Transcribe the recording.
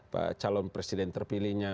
pak calon presiden terpilihnya